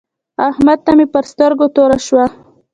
احمد ته مې پر سترګو توره شوه.